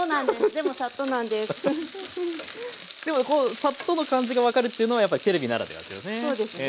でもこう「サッと」の感じが分かるというのはやっぱりテレビならではですよね。